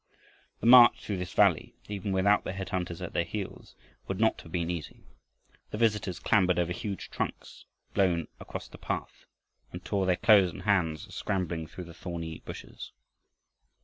The march through this valley, even without the head hunters at their heels, would not have been easy. The visitors clambered over huge trunks blown across the path, and tore their clothes and hands scrambling through the thorny bushes.